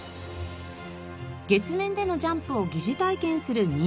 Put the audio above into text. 月面でのジャンプを疑似体験する人気の展示へ。